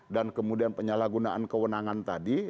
dan kemudian penyalahgunaan kewenangan tadi